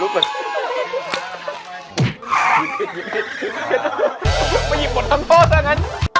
คือผลตำโทษนะงั้น